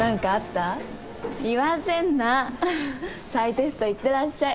再テストいってらっしゃい。